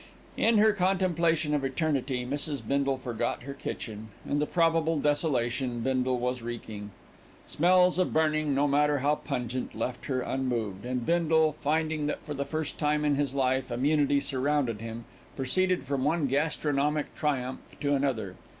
In her contemplation of Eternity, Mrs. Bindle forgot her kitchen, and the probable desolation Bindle was wreaking. Smells of burning, no matter how pungent, left her unmoved, and Bindle, finding that for the first time in his life immunity surrounded him, proceeded from one gastronomic triumph to another.